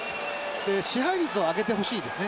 で支配率を上げてほしいですね。